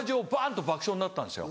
と爆笑になったんですよ。